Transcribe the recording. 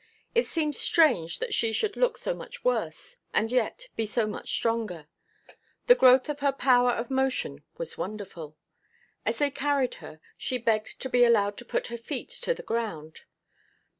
It seemed strange that she should look so much worse, and yet be so much stronger. The growth of her power of motion was wonderful. As they carried her, she begged to be allowed to put her feet to the ground.